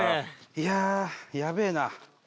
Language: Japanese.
いやあやべえな。